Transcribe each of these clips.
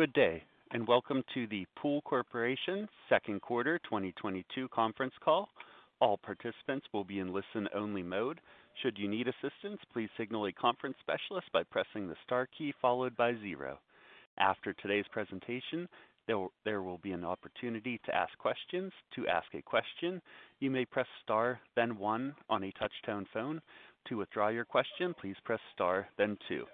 Good day, and welcome to the Pool Corporation second quarter 2022 conference call. All participants will be in listen-only mode. Should you need assistance, please signal a conference specialist by pressing the star key followed by zero. After today's presentation, there will be an opportunity to ask questions. To ask a question, you may press star then one on a touch-tone phone. To withdraw your question, please press star then two.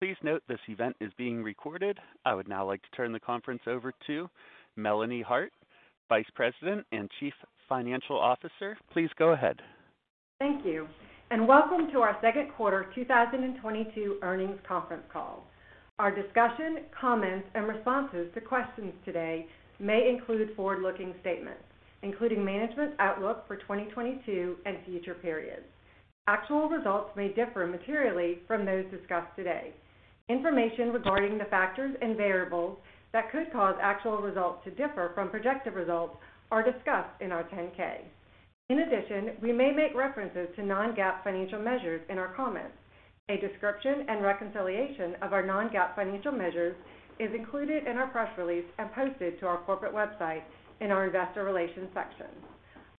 Please note this event is being recorded. I would now like to turn the conference over to Melanie Hart, Vice President and Chief Financial Officer. Please go ahead. Thank you, and welcome to our second quarter 2022 earnings conference call. Our discussion, comments, and responses to questions today may include forward-looking statements, including management's outlook for 2022 and future periods. Actual results may differ materially from those discussed today. Information regarding the factors and variables that could cause actual results to differ from projected results are discussed in our 10-K. In addition, we may make references to non-GAAP financial measures in our comments. A description and reconciliation of our non-GAAP financial measures is included in our press release and posted to our corporate website in our Investor Relations section.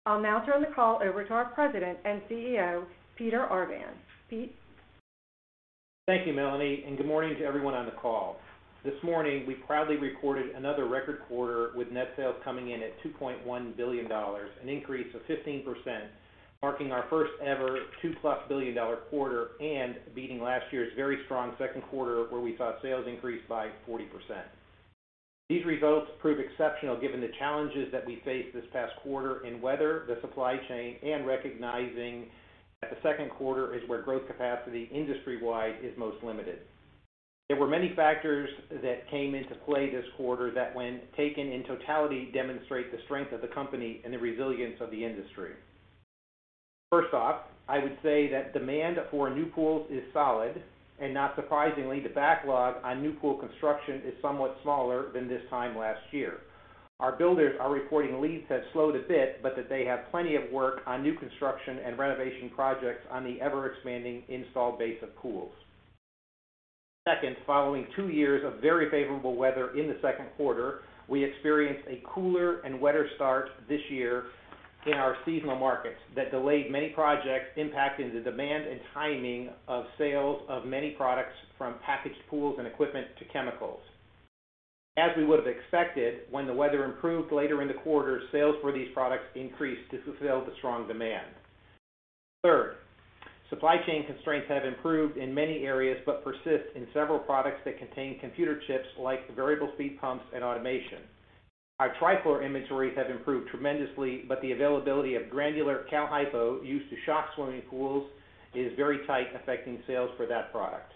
I'll now turn the call over to our President and CEO, Peter Arvan. Pete? Thank you, Melanie, and good morning to everyone on the call. This morning, we proudly recorded another record quarter with net sales coming in at $2.1 billion, an increase of 15%, marking our first ever $2+ billion quarter and beating last year's very strong second quarter where we saw sales increase by 40%. These results prove exceptional given the challenges that we faced this past quarter in weather, the supply chain, and recognizing that the second quarter is where growth capacity industry-wide is most limited. There were many factors that came into play this quarter that, when taken in totality, demonstrate the strength of the company and the resilience of the industry. First off, I would say that demand for new pools is solid, and not surprisingly, the backlog on new pool construction is somewhat smaller than this time last year. Our builders are reporting leads have slowed a bit, but that they have plenty of work on new construction and renovation projects on the ever-expanding install base of pools. Second, following two years of very favorable weather in the second quarter, we experienced a cooler and wetter start this year in our seasonal markets that delayed many projects, impacting the demand and timing of sales of many products from packaged pools and equipment to chemicals. As we would have expected, when the weather improved later in the quarter, sales for these products increased to fulfill the strong demand. Third, supply chain constraints have improved in many areas, but persist in several products that contain computer chips like the variable speed pumps and automation. Our Trichlor inventories have improved tremendously, but the availability of granular Cal-Hypo used to shock swimming pools is very tight, affecting sales for that product.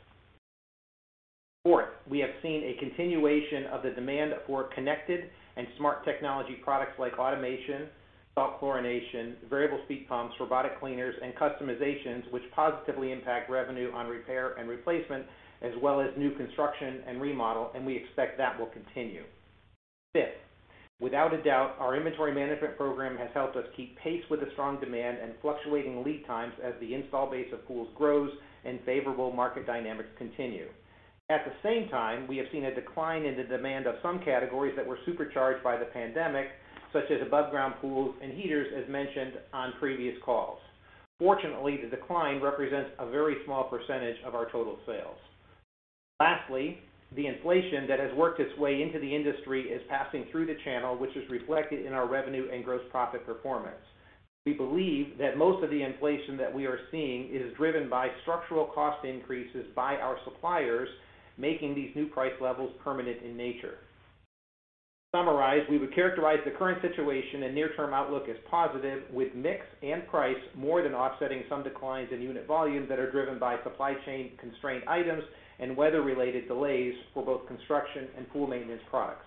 Fourth, we have seen a continuation of the demand for connected and smart technology products like automation, salt chlorination, variable speed pumps, robotic cleaners, and customizations which positively impact revenue on repair and replacement, as well as new construction and remodel, and we expect that will continue. Fifth, without a doubt, our inventory management program has helped us keep pace with the strong demand and fluctuating lead times as the install base of pools grows and favorable market dynamics continue. At the same time, we have seen a decline in the demand of some categories that were supercharged by the pandemic, such as above ground pools and heaters, as mentioned on previous calls. Fortunately, the decline represents a very small percentage of our total sales. Lastly, the inflation that has worked its way into the industry is passing through the channel, which is reflected in our revenue and gross profit performance. We believe that most of the inflation that we are seeing is driven by structural cost increases by our suppliers, making these new price levels permanent in nature. To summarize, we would characterize the current situation and near-term outlook as positive, with mix and price more than offsetting some declines in unit volumes that are driven by supply chain constraint items and weather-related delays for both construction and pool maintenance products.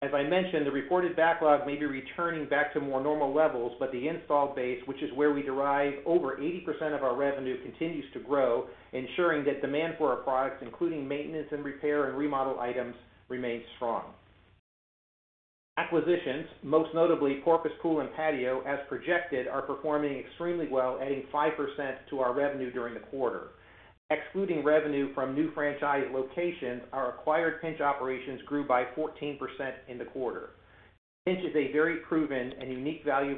As I mentioned, the reported backlog may be returning back to more normal levels, but the install base, which is where we derive over 80% of our revenue, continues to grow, ensuring that demand for our products, including maintenance and repair and remodel items, remains strong. Acquisitions, most notably Porpoise Pool & Patio, as projected, are performing extremely well, adding 5% to our revenue during the quarter. Excluding revenue from new franchise locations, our acquired Pinch operations grew by 14% in the quarter. Pinch has a very proven and unique value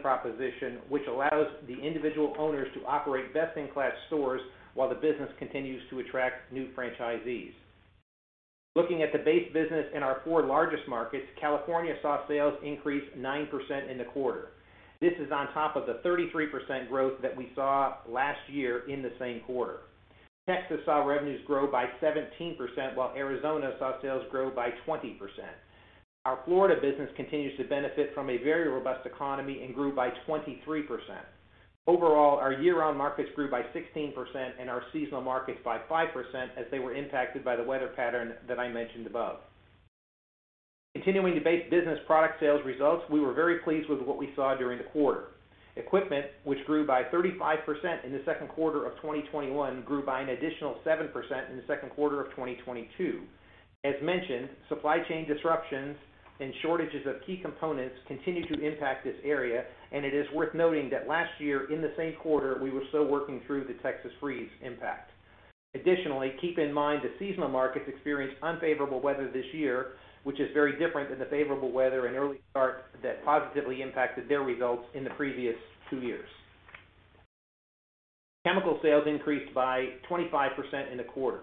proposition, which allows the individual owners to operate best-in-class stores while the business continues to attract new franchisees. Looking at the base business in our four largest markets, California saw sales increase 9% in the quarter. This is on top of the 33% growth that we saw last year in the same quarter. Texas saw revenues grow by 17%, while Arizona saw sales grow by 20%. Our Florida business continues to benefit from a very robust economy and grew by 23%. Overall, our year-round markets grew by 16% and our seasonal markets by 5% as they were impacted by the weather pattern that I mentioned above. Continuing to base business product sales results, we were very pleased with what we saw during the quarter. Equipment, which grew by 35% in the second quarter of 2021, grew by an additional 7% in the second quarter of 2022. As mentioned, supply chain disruptions and shortages of key components continue to impact this area, and it is worth noting that last year in the same quarter, we were still working through the Texas freeze impact. Additionally, keep in mind the seasonal markets experienced unfavorable weather this year, which is very different than the favorable weather and early start that positively impacted their results in the previous two years. Chemical sales increased by 25% in the quarter.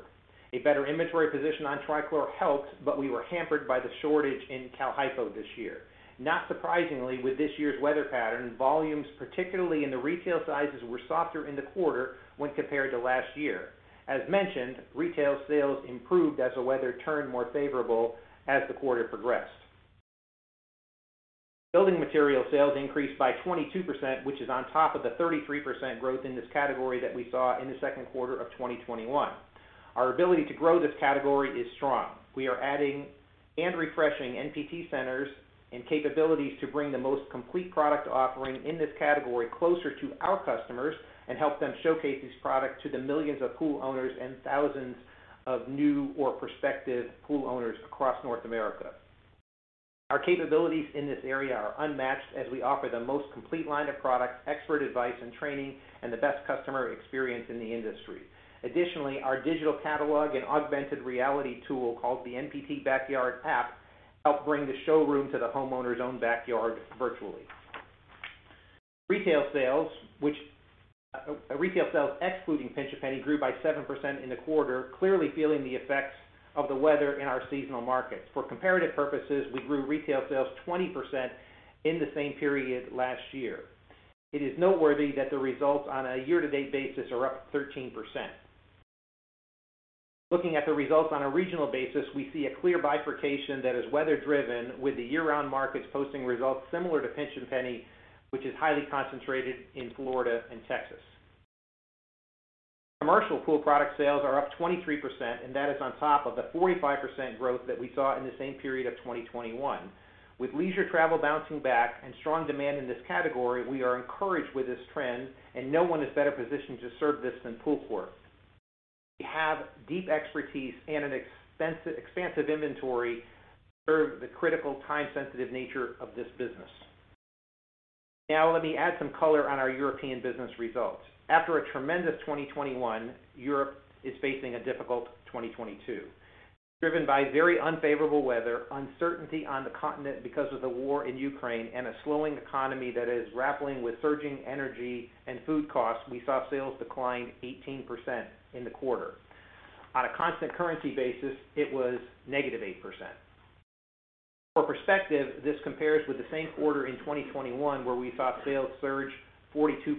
A better inventory position on Trichlor helped, but we were hampered by the shortage in Cal-Hypo this year. Not surprisingly, with this year's weather pattern, volumes, particularly in the retail sizes, were softer in the quarter when compared to last year. As mentioned, retail sales improved as the weather turned more favorable as the quarter progressed. Building material sales increased by 22%, which is on top of the 33% growth in this category that we saw in the second quarter of 2021. Our ability to grow this category is strong. We are adding and refreshing NPT centers and capabilities to bring the most complete product offering in this category closer to our customers and help them showcase these products to the millions of pool owners and thousands of new or prospective pool owners across North America. Our capabilities in this area are unmatched as we offer the most complete line of products, expert advice, and training, and the best customer experience in the industry. Additionally, our digital catalog and augmented reality tool, called the NPT Backyard app, help bring the showroom to the homeowner's own backyard virtually. Retail sales excluding Pinch A Penny grew by 7% in the quarter, clearly feeling the effects of the weather in our seasonal markets. For comparative purposes, we grew retail sales 20% in the same period last year. It is noteworthy that the results on a year-to-date basis are up 13%. Looking at the results on a regional basis, we see a clear bifurcation that is weather-driven with the year-round markets posting results similar to Pinch A Penny, which is highly concentrated in Florida and Texas. Commercial pool product sales are up 23%, and that is on top of the 45% growth that we saw in the same period of 2021. With leisure travel bouncing back and strong demand in this category, we are encouraged with this trend, and no one is better positioned to serve this than POOLCORP. We have deep expertise and an expansive inventory to serve the critical time-sensitive nature of this business. Now, let me add some color on our European business results. After a tremendous 2021, Europe is facing a difficult 2022. Driven by very unfavorable weather, uncertainty on the continent because of the war in Ukraine, and a slowing economy that is grappling with surging energy and food costs, we saw sales decline 18% in the quarter. On a constant currency basis, it was -8%. For perspective, this compares with the same quarter in 2021, where we saw sales surge 42%.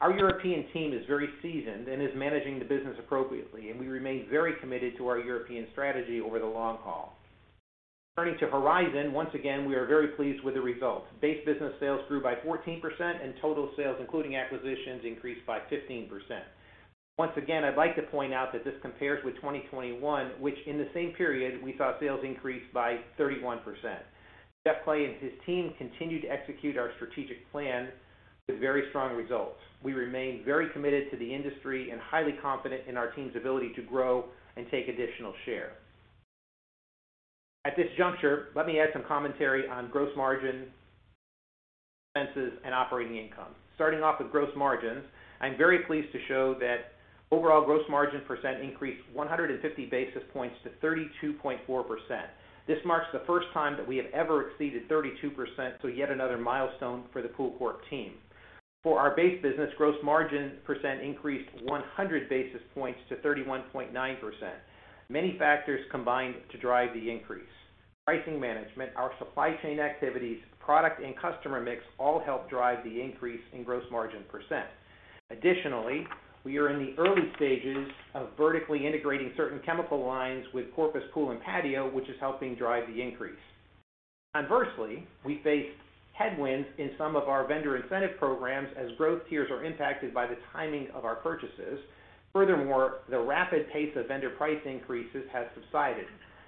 Our European team is very seasoned and is managing the business appropriately, and we remain very committed to our European strategy over the long haul. Turning to Horizon, once again, we are very pleased with the results. Base business sales grew by 14%, and total sales, including acquisitions, increased by 15%. Once again, I'd like to point out that this compares with 2021, which in the same period we saw sales increase by 31%. Jeff Clay and his team continue to execute our strategic plan with very strong results. We remain very committed to the industry and highly confident in our team's ability to grow and take additional share. At this juncture, let me add some commentary on gross margin, expenses, and operating income. Starting off with gross margins, I'm very pleased to show that overall gross margin percent increased 150 basis points to 32.4%. This marks the first time that we have ever exceeded 32%, so yet another milestone for the POOLCORP team. For our base business, gross margin percent increased 100 basis points to 31.9%. Many factors combined to drive the increase. Pricing management, our supply chain activities, product and customer mix all help drive the increase in gross margin percent. Additionally, we are in the early stages of vertically integrating certain chemical lines with Porpoise Pool & Patio, which is helping drive the increase. Conversely, we face headwinds in some of our vendor incentive programs as growth tiers are impacted by the timing of our purchases. Furthermore, the rapid pace of vendor price increases has subsided.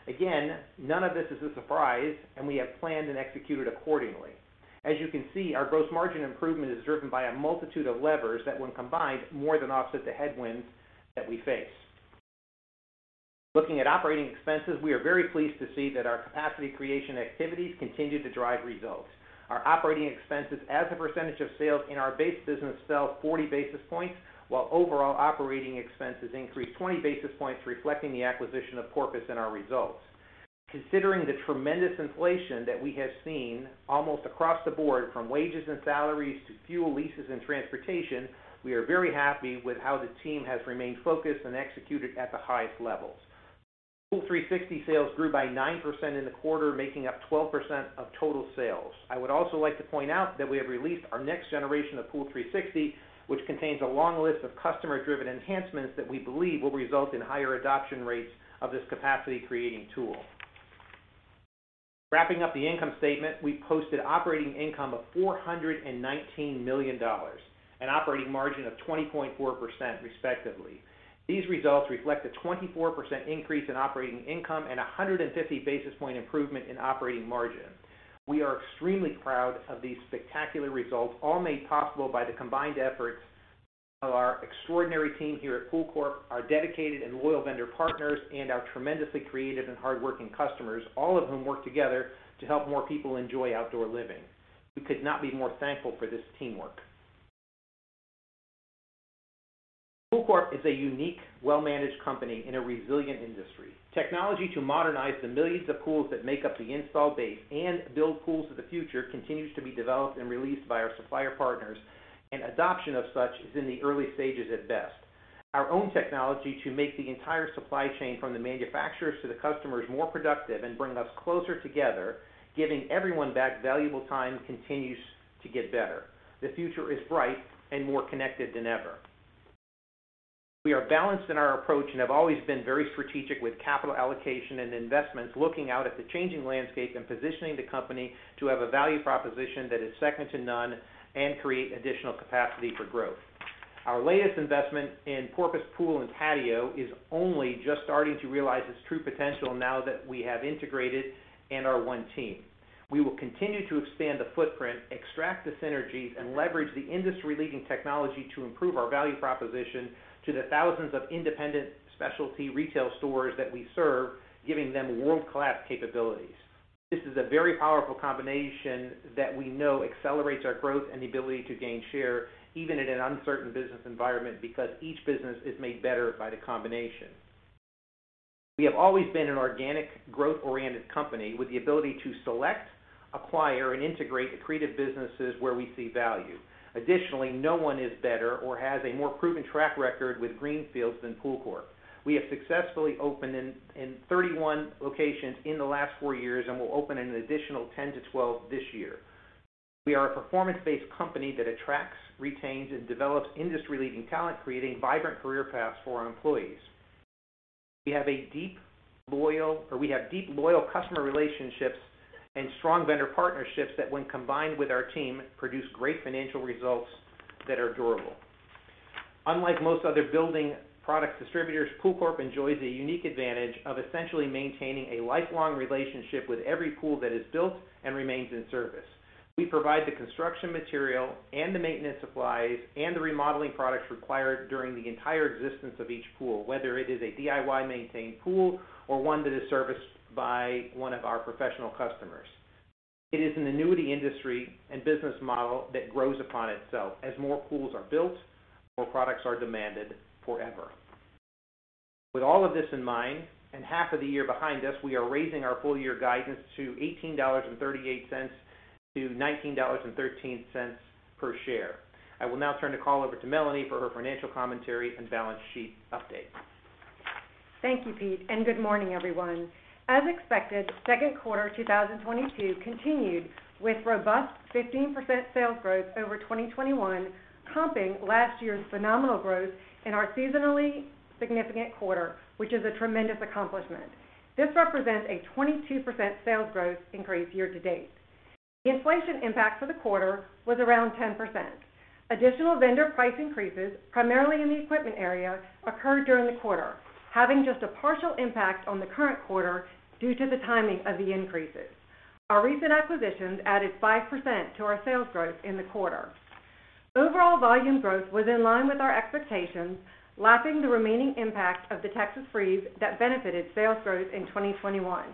Again, none of this is a surprise, and we have planned and executed accordingly. As you can see, our gross margin improvement is driven by a multitude of levers that, when combined, more than offset the headwinds that we face. Looking at operating expenses, we are very pleased to see that our capacity creation activities continue to drive results. Our operating expenses as a percentage of sales in our base business fell 40 basis points, while overall operating expenses increased 20 basis points, reflecting the acquisition, of course, in our results. Considering the tremendous inflation that we have seen almost across the board, from wages and salaries to fuel leases and transportation, we are very happy with how the team has remained focused and executed at the highest levels. POOL360 sales grew by 9% in the quarter, making up 12% of total sales. I would also like to point out that we have released our next generation of POOL360, which contains a long list of customer-driven enhancements that we believe will result in higher adoption rates of this capacity-creating tool. Wrapping up the income statement, we posted operating income of $419 million, an operating margin of 20.4%, respectively. These results reflect a 24% increase in operating income and a 150 basis point improvement in operating margin. We are extremely proud of these spectacular results, all made possible by the combined efforts. Our extraordinary team here at POOLCORP are dedicated and loyal vendor partners and our tremendously creative and hardworking customers, all of whom work together to help more people enjoy outdoor living. We could not be more thankful for this teamwork. POOLCORP is a unique, well-managed company in a resilient industry. Technology to modernize the millions of pools that make up the install base and build pools of the future continues to be developed and released by our supplier partners, and adoption of such is in the early stages at best. Our own technology to make the entire supply chain from the manufacturers to the customers more productive and bring us closer together, giving everyone back valuable time continues to get better. The future is bright and more connected than ever. We are balanced in our approach and have always been very strategic with capital allocation and investments, looking out at the changing landscape and positioning the company to have a value proposition that is second to none and create additional capacity for growth. Our latest investment in Porpoise Pool & Patio is only just starting to realize its true potential now that we have integrated and are one team. We will continue to expand the footprint, extract the synergies, and leverage the industry-leading technology to improve our value proposition to the thousands of independent specialty retail stores that we serve, giving them world-class capabilities. This is a very powerful combination that we know accelerates our growth and the ability to gain share even in an uncertain business environment, because each business is made better by the combination. We have always been an organic growth-oriented company with the ability to select, acquire, and integrate accretive businesses where we see value. Additionally, no one is better or has a more proven track record with greenfields than POOLCORP. We have successfully opened 31 locations in the last four years and will open an additional 10-12 this year. We are a performance-based company that attracts, retains, and develops industry-leading talent, creating vibrant career paths for our employees. We have deep loyal customer relationships and strong vendor partnerships that when combined with our team, produce great financial results that are durable. Unlike most other building product distributors, POOLCORP enjoys a unique advantage of essentially maintaining a lifelong relationship with every pool that is built and remains in service. We provide the construction material and the maintenance supplies and the remodeling products required during the entire existence of each pool, whether it is a DIY-maintained pool or one that is serviced by one of our professional customers. It is an annuity industry and business model that grows upon itself. As more pools are built, more products are demanded forever. With all of this in mind, and half of the year behind us, we are raising our full year guidance to $18.38-$19.13 per share. I will now turn the call over to Melanie for her financial commentary and balance sheet update. Thank you, Pete, and good morning, everyone. As expected, second quarter 2022 continued with robust 15% sales growth over 2021, comping last year's phenomenal growth in our seasonally significant quarter, which is a tremendous accomplishment. This represents a 22% sales growth increase year-to-date. The inflation impact for the quarter was around 10%. Additional vendor price increases, primarily in the equipment area, occurred during the quarter, having just a partial impact on the current quarter due to the timing of the increases. Our recent acquisitions added 5% to our sales growth in the quarter. Overall volume growth was in line with our expectations, lapping the remaining impact of the Texas freeze that benefited sales growth in 2021.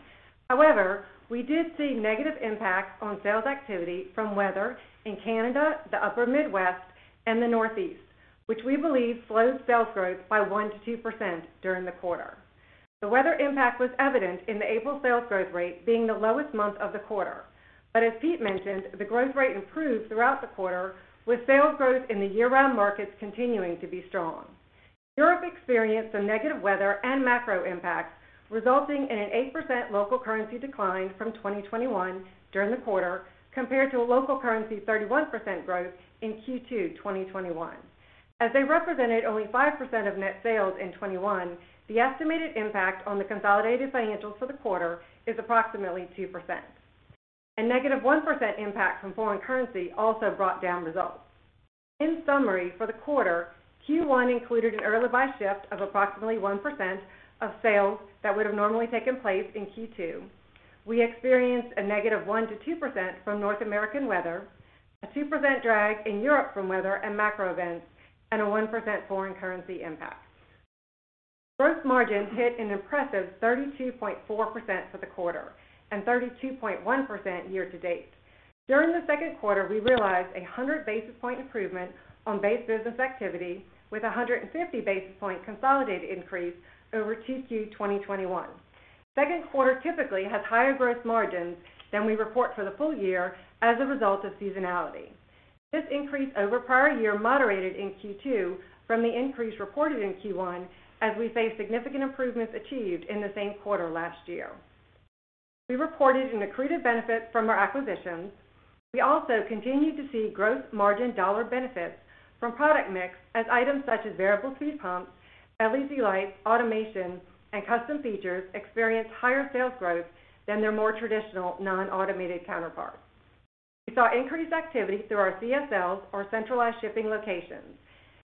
However, we did see negative impacts on sales activity from weather in Canada, the Upper Midwest, and the Northeast, which we believe slowed sales growth by 1%-2% during the quarter. The weather impact was evident in the April sales growth rate being the lowest month of the quarter. As Pete mentioned, the growth rate improved throughout the quarter, with sales growth in the year-round markets continuing to be strong. Europe experienced some negative weather and macro impacts, resulting in an 8% local currency decline from 2021 during the quarter compared to a local currency 31% growth in Q2 2021. As they represented only 5% of net sales in 2021, the estimated impact on the consolidated financials for the quarter is approximately 2%. A -1% impact from foreign currency also brought down results. In summary, for the quarter, Q1 included an early buy shift of approximately 1% of sales that would have normally taken place in Q2. We experienced a -1% to 2% from North American weather, a 2% drag in Europe from weather and macro events, and a 1% foreign currency impact. Gross margins hit an impressive 32.4% for the quarter and 32.1% year-to-date. During the second quarter, we realized a 100 basis point improvement on base business activity with a 150 basis point consolidated increase over Q2 2021. Second quarter typically has higher gross margins than we report for the full year as a result of seasonality. This increase over prior year moderated in Q2 from the increase reported in Q1 as we faced significant improvements achieved in the same quarter last year. We reported an accretive benefit from our acquisitions. We also continued to see gross margin dollar benefits from product mix as items such as variable speed pumps, LED lights, automation, and custom features experienced higher sales growth than their more traditional non-automated counterparts. We saw increased activity through our CSLs or centralized shipping locations.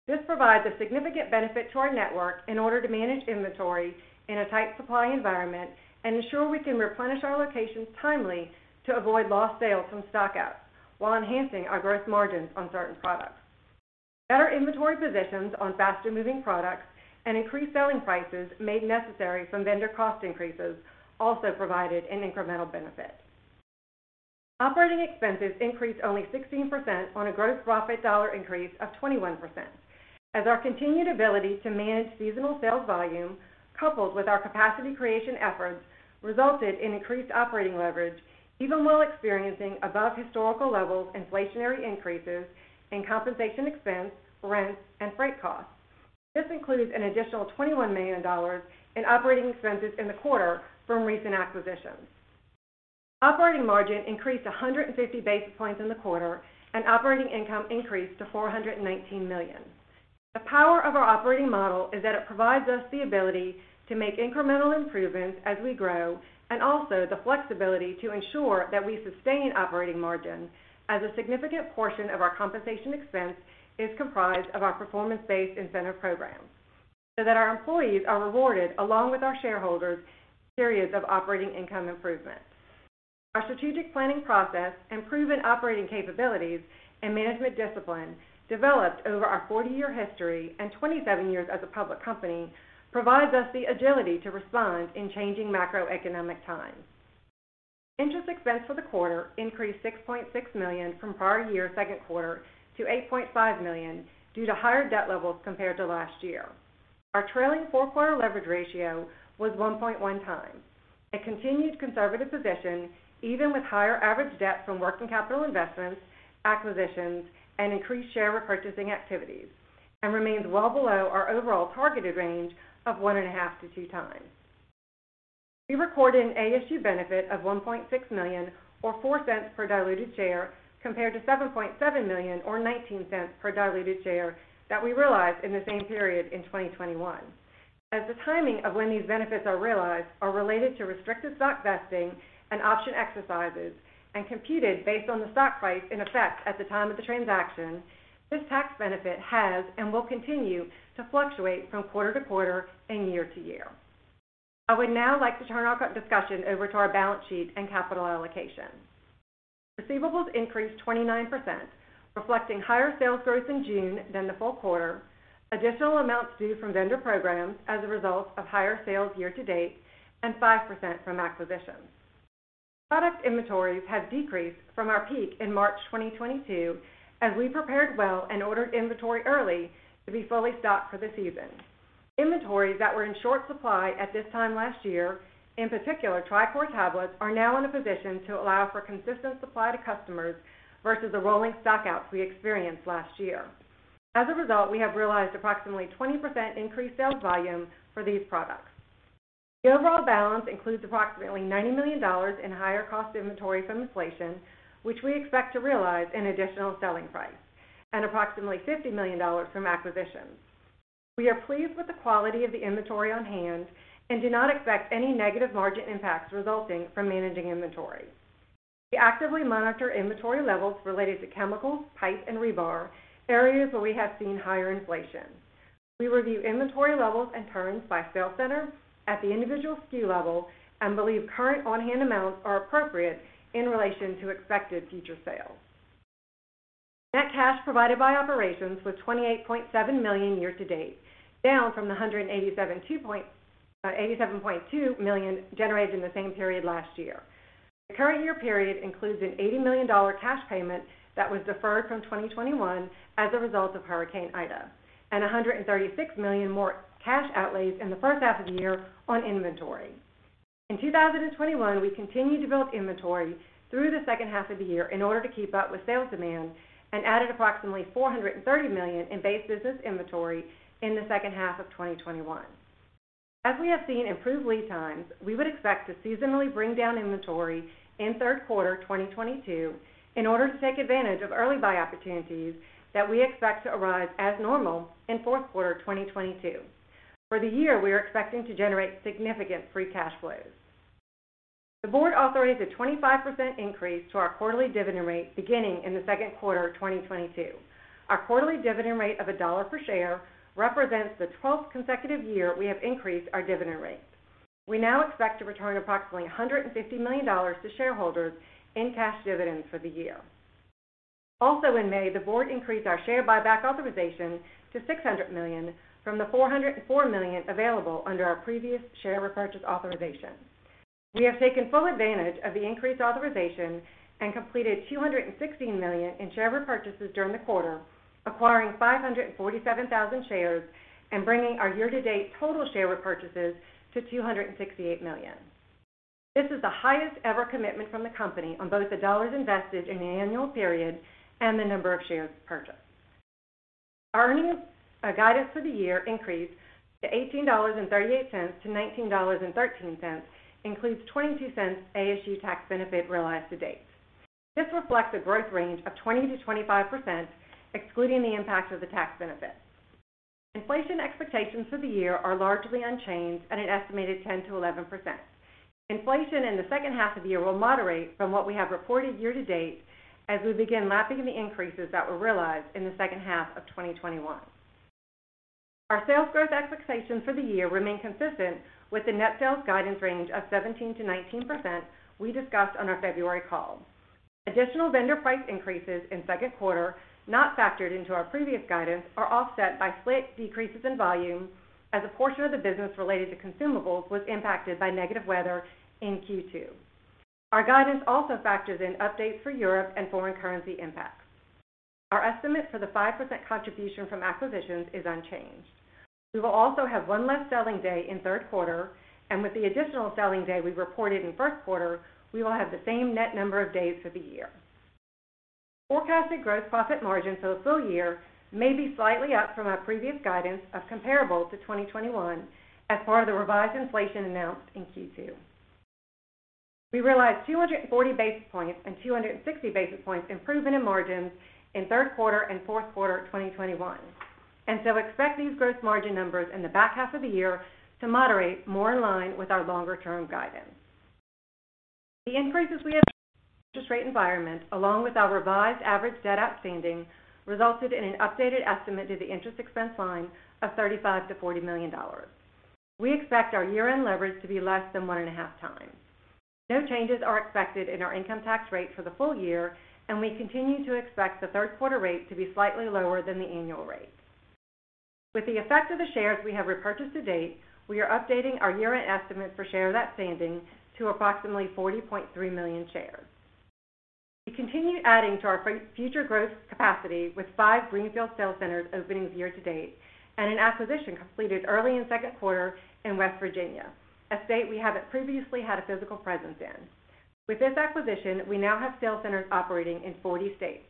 This provides a significant benefit to our network in order to manage inventory in a tight supply environment and ensure we can replenish our locations timely to avoid lost sales from stockouts while enhancing our gross margins on certain products. Better inventory positions on faster moving products and increased selling prices made necessary from vendor cost increases also provided an incremental benefit. Operating expenses increased only 16% on a gross profit dollar increase of 21%. As our continued ability to manage seasonal sales volume, coupled with our capacity creation efforts, resulted in increased operating leverage even while experiencing above historical levels, inflationary increases in compensation expense, rent, and freight costs. This includes an additional $21 million in operating expenses in the quarter from recent acquisitions. Operating margin increased 150 basis points in the quarter, and operating income increased to $419 million. The power of our operating model is that it provides us the ability to make incremental improvements as we grow, and also the flexibility to ensure that we sustain operating margin as a significant portion of our compensation expense is comprised of our performance-based incentive programs, so that our employees are rewarded along with our shareholders in periods of operating income improvement. Our strategic planning process, improving operating capabilities and management discipline developed over our 40-year history and 27 years as a public company, provides us the agility to respond in changing macroeconomic times. Interest expense for the quarter increased $6.6 million from prior year second quarter to $8.5 million due to higher debt levels compared to last year. Our trailing four-quarter leverage ratio was 1.1x. A continued conservative position, even with higher average debt from working capital investments, acquisitions, and increased share repurchasing activities, and remains well below our overall targeted range of 1.5x-2x. We recorded an ASU benefit of $1.6 million or $0.04 per diluted share, compared to $7.7 million or $0.19 per diluted share that we realized in the same period in 2021. As the timing of when these benefits are realized are related to restricted stock vesting and option exercises, and computed based on the stock price in effect at the time of the transaction, this tax benefit has and will continue to fluctuate from quarter to quarter and year to year. I would now like to turn our discussion over to our balance sheet and capital allocation. Receivables increased 29%, reflecting higher sales growth in June than the full quarter, additional amounts due from vendor programs as a result of higher sales year-to-date, and 5% from acquisitions. Product inventories have decreased from our peak in March 2022, as we prepared well and ordered inventory early to be fully stocked for the season. Inventories that were in short supply at this time last year, in particular, Trichlor tablets, are now in a position to allow for consistent supply to customers versus the rolling stock-outs we experienced last year. As a result, we have realized approximately 20% increased sales volume for these products. The overall balance includes approximately $90 million in higher cost inventories from inflation, which we expect to realize in additional selling price, and approximately $50 million from acquisitions. We are pleased with the quality of the inventory on hand and do not expect any negative margin impacts resulting from managing inventories. We actively monitor inventory levels related to chemicals, pipe, and rebar, areas where we have seen higher inflation. We review inventory levels and turns by sales center at the individual SKU level and believe current on-hand amounts are appropriate in relation to expected future sales. Net cash provided by operations was $28.7 million year-to-date, down from the $187.2 million generated in the same period last year. The current year period includes an $80 million cash payment that was deferred from 2021 as a result of Hurricane Ida and $136 million more cash outlays in the first half of the year on inventory. In 2021, we continued to build inventory through the second half of the year in order to keep up with sales demand and added approximately $430 million in base business inventory in the second half of 2021. As we have seen improved lead times, we would expect to seasonally bring down inventory in third quarter 2022 in order to take advantage of early buy opportunities that we expect to arise as normal in fourth quarter 2022. For the year, we are expecting to generate significant free cash flows. The Board authorized a 25% increase to our quarterly dividend rate beginning in the second quarter 2022. Our quarterly dividend rate of $1 per share represents the 12th consecutive year we have increased our dividend rate. We now expect to return approximately $150 million to shareholders in cash dividends for the year. Also in May, the Board increased our share buyback authorization to $600 million from the $404 million available under our previous share repurchase authorization. We have taken full advantage of the increased authorization and completed $216 million in share repurchases during the quarter, acquiring 547,000 shares and bringing our year-to-date total share repurchases to $268 million. This is the highest ever commitment from the company on both the dollars invested in the annual period and the number of shares purchased. Our earnings guidance for the year increased to $18.38-$19.13, includes $0.20 ASU tax benefit realized to date. This reflects a growth range of 20%-25%, excluding the impact of the tax benefit. Inflation expectations for the year are largely unchanged at an estimated 10%-11%. Inflation in the second half of the year will moderate from what we have reported year-to-date as we begin lapping the increases that were realized in the second half of 2021. Our sales growth expectations for the year remain consistent with the net sales guidance range of 17%-19% we discussed on our February call. Additional vendor price increases in second quarter, not factored into our previous guidance, are offset by slight decreases in volume as a portion of the business related to consumables was impacted by negative weather in Q2. Our guidance also factors in updates for Europe and foreign currency impacts. Our estimate for the 5% contribution from acquisitions is unchanged. We will also have one less selling day in third quarter, and with the additional selling day we reported in first quarter, we will have the same net number of days for the year. Forecasted gross profit margin for the full year may be slightly up from our previous guidance of comparable to 2021 as far as the revised inflation announced in Q2. We realized 240 basis points and 260 basis points improvement in margins in third quarter and fourth quarter of 2021, and so expect these gross margin numbers in the back half of the year to moderate more in line with our longer-term guidance. The increases we have seen in the interest rate environment, along with our revised average debt outstanding, resulted in an updated estimate to the interest expense line of $35 million-$40 million. We expect our year-end leverage to be less than 1.5x. No changes are expected in our income tax rate for the full year, and we continue to expect the third quarter rate to be slightly lower than the annual rate. With the effect of the shares we have repurchased to date, we are updating our year-end estimate for shares outstanding to approximately 40.3 million shares. We continue adding to our future growth capacity with five greenfield sales centers openings year-to-date, and an acquisition completed early in second quarter in West Virginia, a state we haven't previously had a physical presence in. With this acquisition, we now have sales centers operating in 40 states.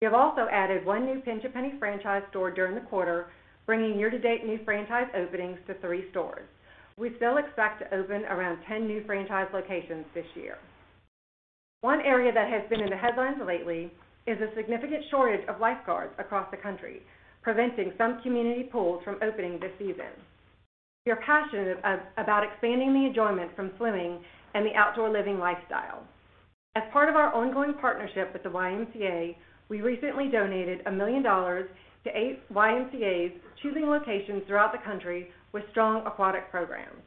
We have also added one new Pinch A Penny franchise store during the quarter, bringing year-to-date new franchise openings to three stores. We still expect to open around 10 new franchise locations this year. One area that has been in the headlines lately is a significant shortage of lifeguards across the country, preventing some community pools from opening this season. We are passionate about expanding the enjoyment from swimming and the outdoor living lifestyle. As part of our ongoing partnership with the YMCA, we recently donated $1 million to eight YMCAs, choosing locations throughout the country with strong aquatic programs.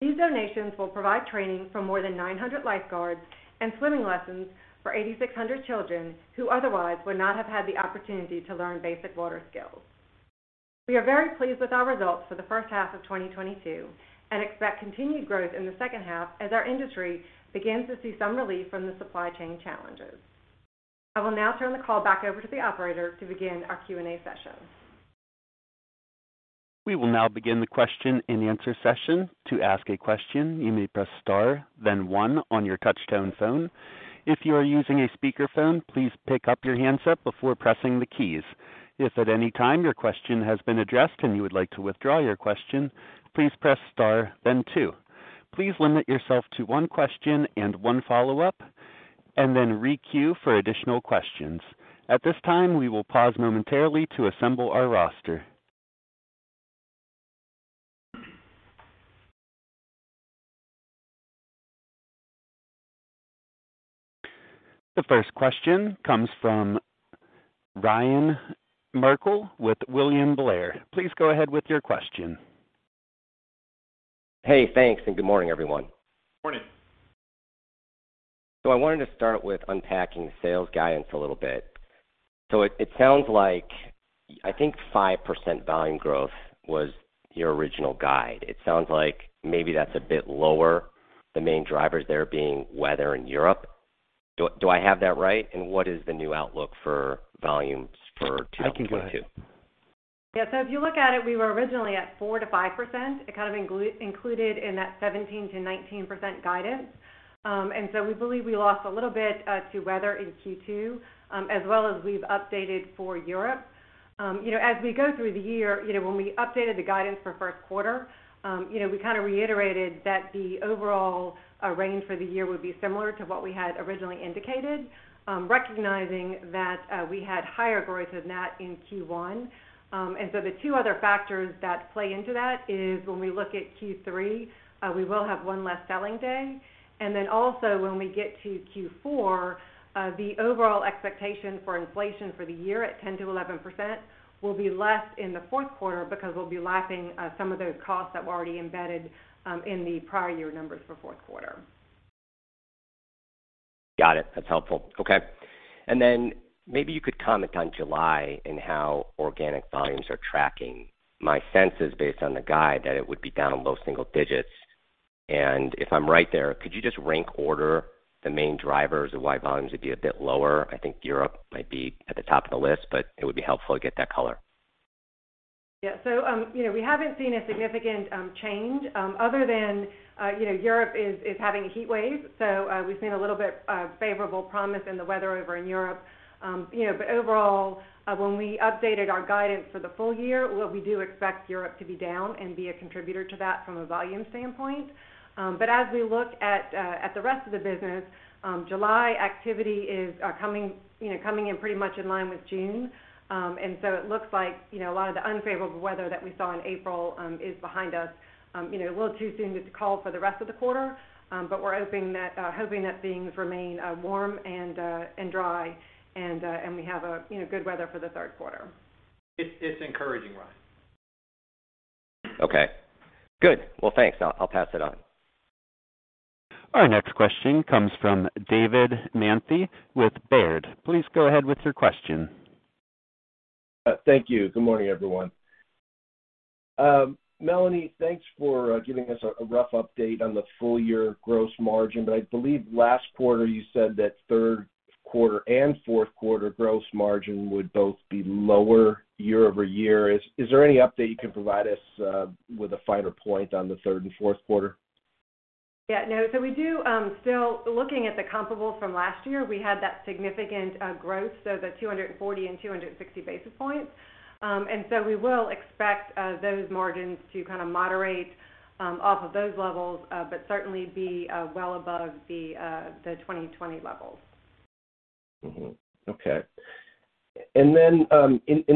These donations will provide training for more than 900 lifeguards and swimming lessons for 8,600 children who otherwise would not have had the opportunity to learn basic water skills. We are very pleased with our results for the first half of 2022 and expect continued growth in the second half as our industry begins to see some relief from the supply chain challenges. I will now turn the call back over to the operator to begin our Q&A session. We will now begin the question-and-answer session. To ask a question, you may press star then one on your touchtone phone. If you are using a speakerphone, please pick up your handset before pressing the keys. If at any time your question has been addressed and you would like to withdraw your question, please press star then two. Please limit yourself to one question and one follow-up, and then re-queue for additional questions. At this time, we will pause momentarily to assemble our roster. The first question comes from Ryan Merkel with William Blair. Please go ahead with your question. Hey, thanks, and good morning, everyone. Morning. I wanted to start with unpacking sales guidance a little bit. It sounds like, I think 5% volume growth was your original guide. It sounds like maybe that's a bit lower, the main drivers there being weather in Europe. Do I have that right? And what is the new outlook for volumes for 2022? Yeah. If you look at it, we were originally at 4%-5%. It kind of included in that 17%-19% guidance. We believe we lost a little bit to weather in Q2, as well as we've updated for Europe. You know, as we go through the year, you know, when we updated the guidance for first quarter, you know, we kinda reiterated that the overall range for the year would be similar to what we had originally indicated, recognizing that we had higher growth than that in Q1. The two other factors that play into that is when we look at Q3, we will have one less selling day, and then also when we get to Q4, the overall expectation for inflation for the year at 10%-11% will be less in the fourth quarter because we'll be lapping some of those costs that were already embedded in the prior year numbers for fourth quarter. Got it. That's helpful. Okay. Then maybe you could comment on July and how organic volumes are tracking. My sense is based on the guide that it would be down in low single digits. If I'm right there, could you just rank order the main drivers of why volumes would be a bit lower? I think Europe might be at the top of the list, but it would be helpful to get that color. Yeah. You know, we haven't seen a significant change other than you know Europe is having a heat wave. We've seen a little bit of favorable promise in the weather over in Europe. You know, overall when we updated our guidance for the full year, what we do expect Europe to be down and be a contributor to that from a volume standpoint. As we look at the rest of the business, July activity is coming you know in pretty much in line with June. It looks like you know a lot of the unfavorable weather that we saw in April is behind us. You know, a little too soon to call for the rest of the quarter, but we're hoping that things remain warm and dry, and we have, you know, good weather for the third quarter. It's encouraging, Ryan. Okay, good. Well, thanks. I'll pass it on. Our next question comes from David Manthey with Baird. Please go ahead with your question. Thank you. Good morning, everyone. Melanie, thanks for giving us a rough update on the full year gross margin, but I believe last quarter you said that third quarter and fourth quarter gross margin would both be lower year-over-year. Is there any update you can provide us with a finer point on the third and fourth quarter? Yeah. No. We do still looking at the comparable from last year, we had that significant growth, the 240 and 260 basis points. We will expect those margins to kind of moderate off of those levels, but certainly be well above the 2020 levels. Okay. In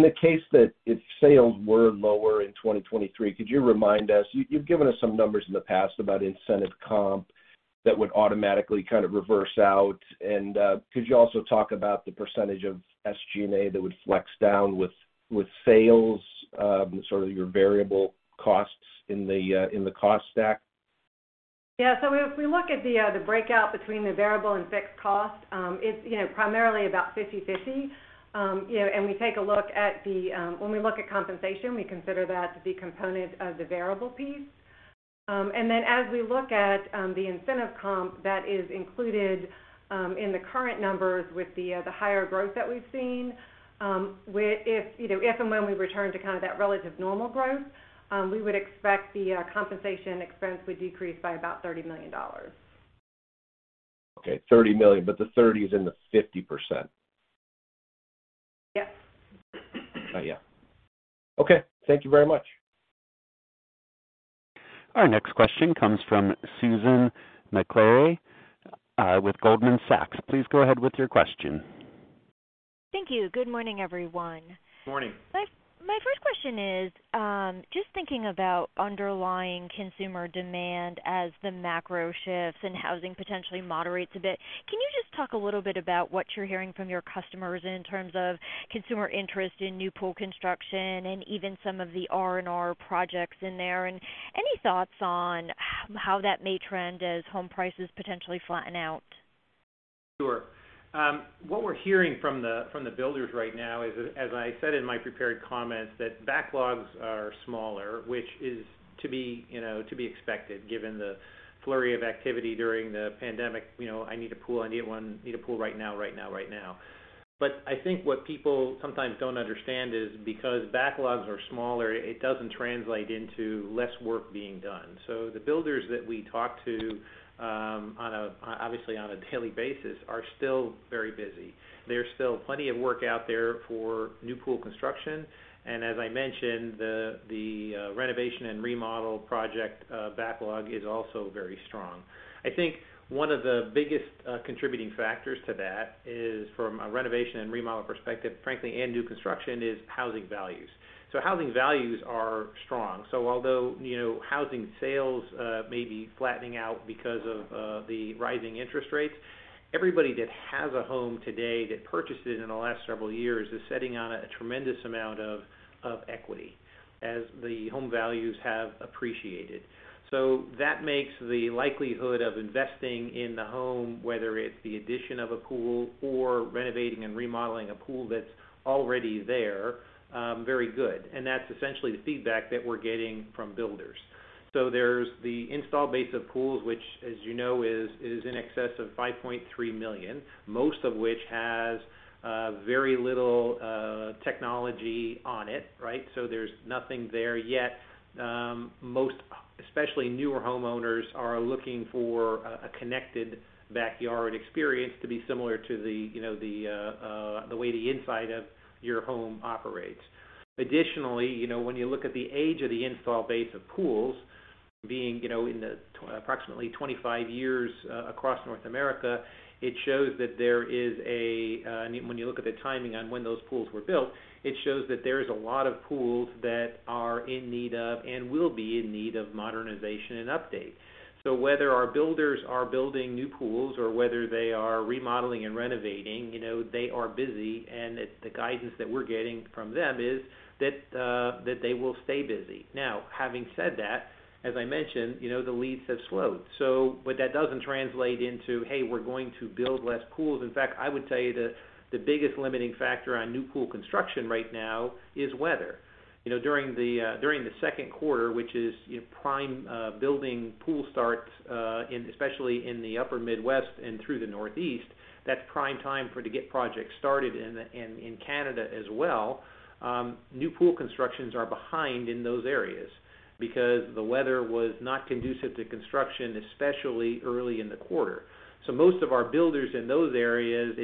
the case that if sales were lower in 2023, could you remind us? You've given us some numbers in the past about incentive comp that would automatically kind of reverse out, and could you also talk about the percentage of SG&A that would flex down with sales, sort of your variable costs in the cost stack? Yeah. If we look at the breakdown between the variable and fixed cost, you know, it's primarily about 50/50. When we look at compensation, we consider that to be component of the variable piece. As we look at the incentive comp that is included in the current numbers with the higher growth that we've seen, if you know, if and when we return to kind of that relative normal growth, we would expect the compensation expense would decrease by about $30 million. Okay. $30 million, but the 30 is in the 50%. Yep. Yeah. Okay. Thank you very much. Our next question comes from Susan Maklari, with Goldman Sachs. Please go ahead with your question. Thank you. Good morning, everyone. Morning. My first question is, just thinking about underlying consumer demand as the macro shifts and housing potentially moderates a bit, can you just talk a little bit about what you're hearing from your customers in terms of consumer interest in new pool construction and even some of the R&R projects in there? Any thoughts on how that may trend as home prices potentially flatten out? Sure. What we're hearing from the builders right now is, as I said in my prepared comments, that backlogs are smaller, which is to be, you know, expected given the flurry of activity during the pandemic. You know, I need a pool, I need one. Need a pool right now. I think what people sometimes don't understand is because backlogs are smaller, it doesn't translate into less work being done. The builders that we talk to, obviously on a daily basis are still very busy. There's still plenty of work out there for new pool construction, and as I mentioned, the renovation and remodel project backlog is also very strong. I think one of the biggest contributing factors to that is from a renovation and remodel perspective, frankly, and new construction is housing values. Housing values are strong. Although, you know, housing sales may be flattening out because of the rising interest rates, everybody that has a home today that purchased it in the last several years is sitting on a tremendous amount of equity as the home values have appreciated. That makes the likelihood of investing in the home, whether it's the addition of a pool or renovating and remodeling a pool that's already there, very good. That's essentially the feedback that we're getting from builders. There's the install base of pools, which as you know, is in excess of 5.3 million, most of which has very little technology on it, right? There's nothing there yet. Most especially newer homeowners are looking for a connected backyard experience to be similar to the, you know, the way the inside of your home operates. Additionally, you know, when you look at the age of the installed base of pools being, you know, in the approximately 25 years across North America, it shows that there is a, when you look at the timing on when those pools were built, it shows that there is a lot of pools that are in need of and will be in need of modernization and updates. Whether our builders are building new pools or whether they are remodeling and renovating, you know, they are busy, and the guidance that we're getting from them is that that they will stay busy. Now, having said that, as I mentioned, you know, the leads have slowed, so but that doesn't translate into, "Hey, we're going to build less pools." In fact, I would tell you the biggest limiting factor on new pool construction right now is weather. You know, during the second quarter, which is, you know, prime building pool starts, especially in the Upper Midwest and through the Northeast, that's prime time for to get projects started in Canada as well. New pool constructions are behind in those areas because the weather was not conducive to construction, especially early in the quarter. Most of our builders in those areas,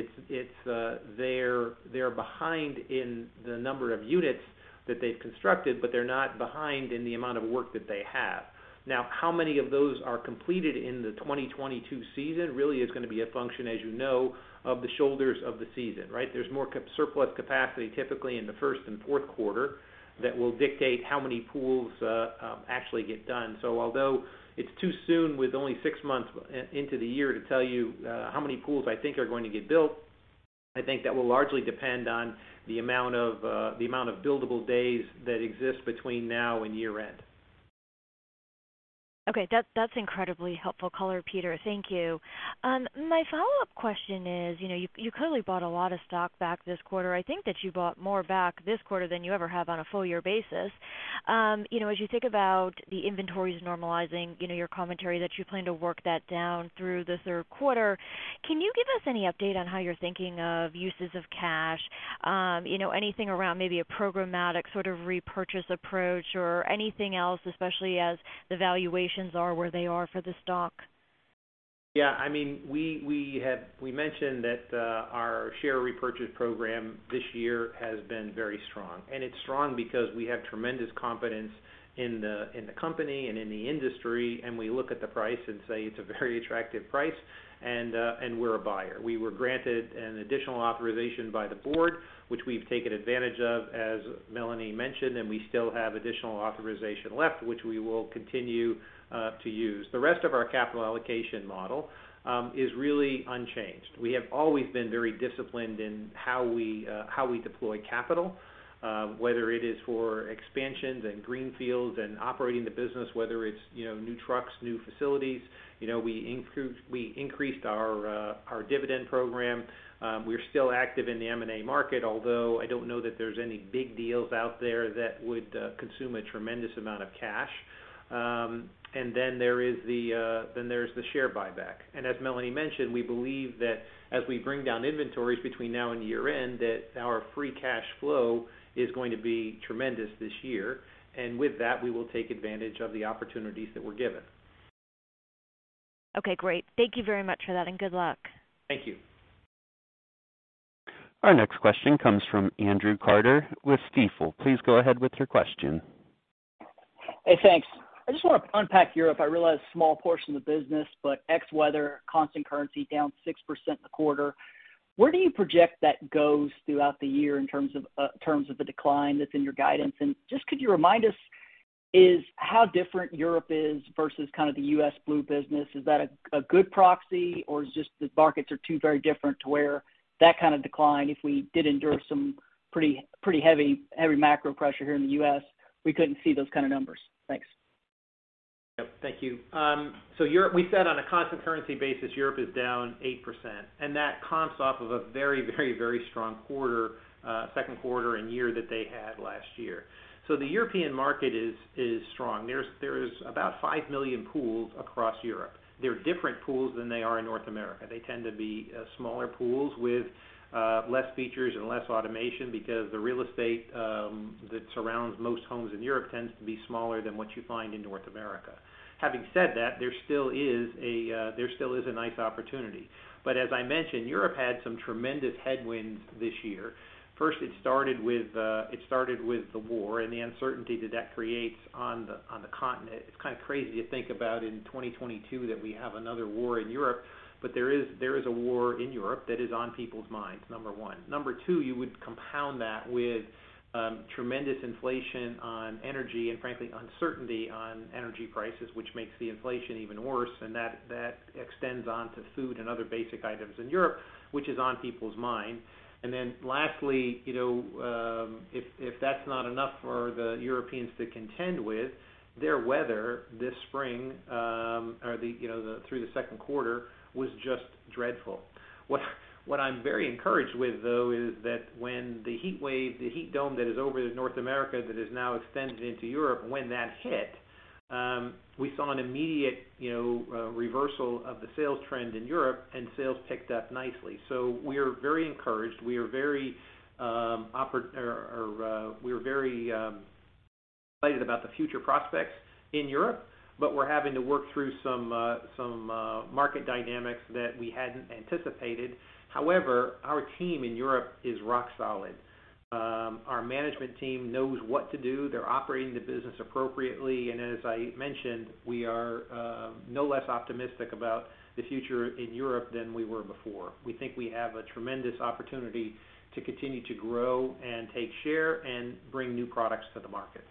they're behind in the number of units that they've constructed, but they're not behind in the amount of work that they have. Now, how many of those are completed in the 2022 season really is gonna be a function, as you know, of the shoulders of the season, right? There's more surplus capacity typically in the first and fourth quarter that will dictate how many pools actually get done. Although it's too soon, with only six months into the year to tell you, how many pools I think are going to get built. I think that will largely depend on the amount of billable days that exist between now and year-end. Okay. That's incredibly helpful color, Peter. Thank you. My follow-up question is, you know, you clearly bought a lot of stock back this quarter. I think that you bought more back this quarter than you ever have on a full year basis. You know, as you think about the inventories normalizing, you know, your commentary that you plan to work that down through the third quarter, can you give us any update on how you're thinking of uses of cash? You know, anything around maybe a programmatic sort of repurchase approach or anything else, especially as the valuations are where they are for the stock? Yeah. I mean, we have mentioned that our share repurchase program this year has been very strong, and it's strong because we have tremendous confidence in the company and in the industry, and we look at the price and say it's a very attractive price, and we're a buyer. We were granted an additional authorization by the Board, which we've taken advantage of, as Melanie mentioned, and we still have additional authorization left, which we will continue to use. The rest of our capital allocation model is really unchanged. We have always been very disciplined in how we deploy capital, whether it is for expansions and greenfields and operating the business, whether it's, you know, new trucks, new facilities. You know, we increased our dividend program. We're still active in the M&A market, although I don't know that there's any big deals out there that would consume a tremendous amount of cash. There's the share buyback. As Melanie mentioned, we believe that as we bring down inventories between now and year-end, that our free cash flow is going to be tremendous this year. With that, we will take advantage of the opportunities that we're given. Okay, great. Thank you very much for that, and good luck. Thank you. Our next question comes from Andrew Carter with Stifel. Please go ahead with your question. Hey, thanks. I just want to unpack Europe. I realize small portion of the business, but ex-weather, constant currency down 6% in the quarter. Where do you project that goes throughout the year in terms of the decline that's in your guidance? Just could you remind us how different Europe is versus kind of the U.S. pool business? Is that a good proxy, or is just the markets are two very different to where that kind of decline, if we did endure some pretty heavy macro pressure here in the U.S., we couldn't see those kind of numbers? Thanks. Yep. Thank you. Europe, we said on a constant currency basis, Europe is down 8%, and that comps off of a very strong quarter, second quarter and year that they had last year. The European market is strong. There is about 5 million pools across Europe. They're different pools than they are in North America. They tend to be smaller pools with less features and less automation because the real estate that surrounds most homes in Europe tends to be smaller than what you find in North America. Having said that, there still is a nice opportunity. As I mentioned, Europe had some tremendous headwinds this year. First, it started with the war and the uncertainty that that creates on the continent. It's kind of crazy to think about in 2022 that we have another war in Europe, but there is a war in Europe that is on people's minds, number one. Number two, you would compound that with tremendous inflation on energy and frankly, uncertainty on energy prices, which makes the inflation even worse, and that extends on to food and other basic items in Europe, which is on people's mind. Then lastly, you know, if that's not enough for the Europeans to contend with, their weather this spring or through the second quarter was just dreadful. What I'm very encouraged with, though, is that when the heat wave, the heat dome that is over North America that is now extended into Europe, when that hit, we saw an immediate, you know, reversal of the sales trend in Europe, and sales picked up nicely. We are very encouraged. We are very excited about the future prospects in Europe, but we're having to work through some market dynamics that we hadn't anticipated. However, our team in Europe is rock solid. Our management team knows what to do. They're operating the business appropriately, and as I mentioned, we are no less optimistic about the future in Europe than we were before. We think we have a tremendous opportunity to continue to grow and take share and bring new products to the market.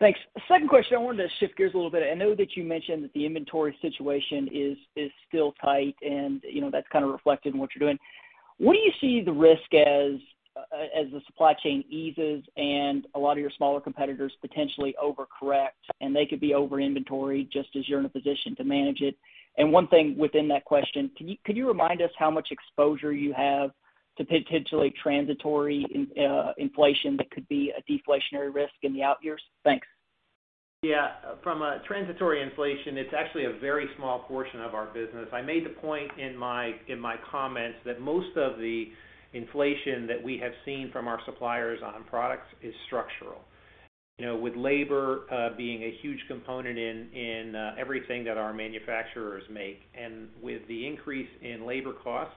Thanks. Second question, I wanted to shift gears a little bit. I know that you mentioned that the inventory situation is still tight, and you know, that's kind of reflected in what you're doing. Where do you see the risk as the supply chain eases and a lot of your smaller competitors potentially over-correct, and they could be over-inventoried just as you're in a position to manage it? And one thing within that question, could you remind us how much exposure you have to potentially transitory inflation that could be a deflationary risk in the out years? Thanks. Yeah. From a transitory inflation, it's actually a very small portion of our business. I made the point in my comments that most of the inflation that we have seen from our suppliers on products is structural. You know, with labor being a huge component in everything that our manufacturers make, and with the increase in labor cost,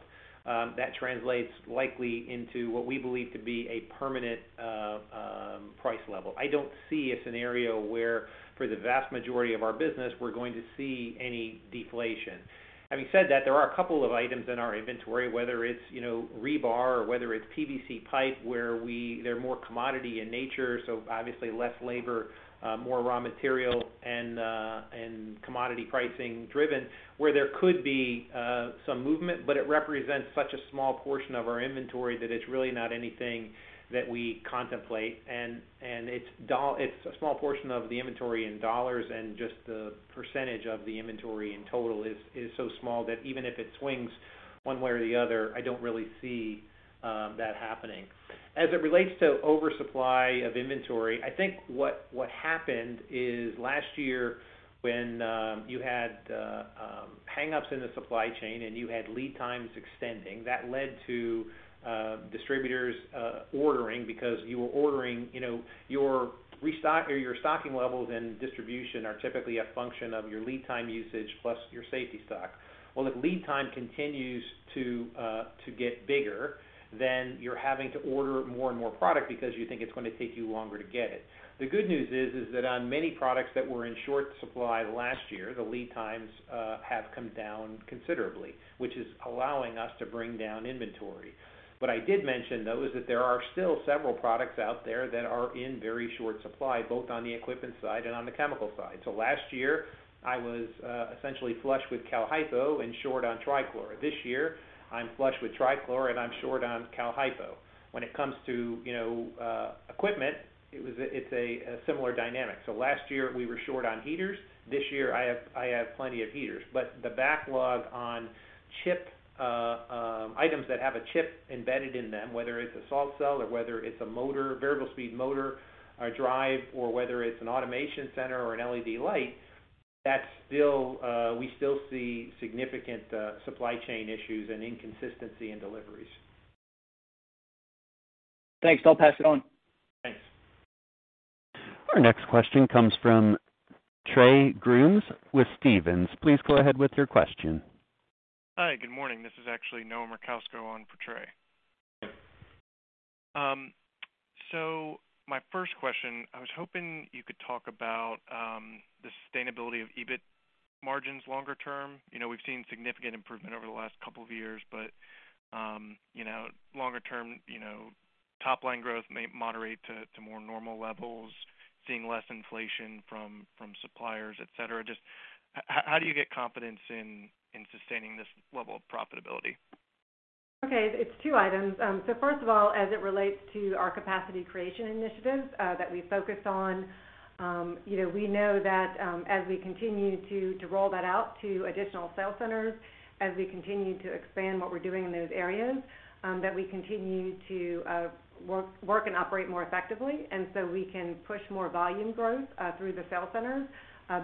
that translates likely into what we believe to be a permanent price level. I don't see a scenario where for the vast majority of our business, we're going to see any deflation. Having said that, there are a couple of items in our inventory, whether it's, you know, rebar or whether it's PVC pipe, where they're more commodity in nature, so obviously less labor, more raw material and commodity pricing driven, where there could be some movement. It represents such a small portion of our inventory that it's really not anything that we contemplate. It's a small portion of the inventory in dollars and just the percentage of the inventory in total is so small that even if it swings one way or the other, I don't really see that happening. As it relates to oversupply of inventory, I think what happened is last year when you had hang ups in the supply chain and you had lead times extending, that led to distributors ordering because you were ordering, you know, your restock or your stocking levels and distribution are typically a function of your lead time usage plus your safety stock. Well, if lead time continues to get bigger, then you're having to order more and more product because you think it's gonna take you longer to get it. The good news is that on many products that were in short supply last year, the lead times have come down considerably, which is allowing us to bring down inventory. What I did mention, though, is that there are still several products out there that are in very short supply, both on the equipment side and on the chemical side. Last year I was essentially flush with Cal-Hypo and short on Trichlor. This year I'm flush with Trichlor and I'm short on Cal-Hypo. When it comes to, you know, equipment, it's a similar dynamic. Last year we were short on heaters. This year I have plenty of heaters. The backlog on chip items that have a chip embedded in them, whether it's a salt cell or whether it's a motor, variable speed motor, a drive, or whether it's an automation center or an LED light, that's still, we still see significant supply chain issues and inconsistency in deliveries. Thanks. I'll pass it on. Thanks. Our next question comes from Trey Grooms with Stephens. Please go ahead with your question. Hi. Good morning. This is actually Noah Merkousko on for Trey. Okay. My first question. I was hoping you could talk about the sustainability of EBIT margins longer term. You know, we've seen significant improvement over the last couple of years, but you know, longer term, you know, top line growth may moderate to more normal levels, seeing less inflation from suppliers, et cetera. Just how do you get confidence in sustaining this level of profitability? Okay. It's two items. First of all, as it relates to our capacity creation initiatives, that we focused on, you know, we know that, as we continue to roll that out to additional sales centers, as we continue to expand what we're doing in those areas, that we continue to work and operate more effectively, and so we can push more volume growth through the sales centers,